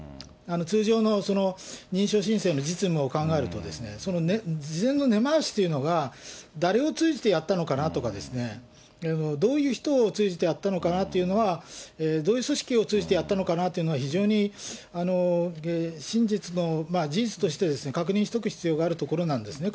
通常の認証申請の実務を考えるとですね、その事前の根回しというのが、誰を通じてやったのかなとかですね、どういう人を通じてやったのかなというのは、どういう組織を通じてやったのかなというのは、非常に真実の、事実として確認しておく必要があるところなんですね。